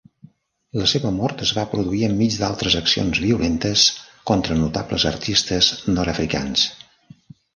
La seva mort es va produir enmig d'altres accions violentes contra notables artistes nord-africans.